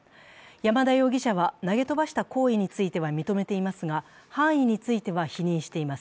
山田容疑者は、投げ飛ばした行為については認めていますが犯意については否認しています。